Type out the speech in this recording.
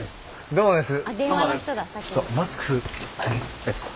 どうもです。